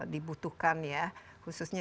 dibutuhkan ya khususnya